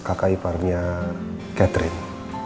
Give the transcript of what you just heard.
kakak iparnya catherine